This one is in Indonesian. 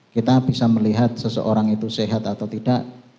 kita bisa melihat seseorang itu sehat atau tidak